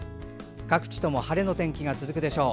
各地とも晴れの天気が続くでしょう。